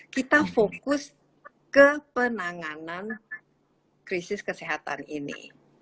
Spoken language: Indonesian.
kita fokus ke penanganan krisis kesehatan ini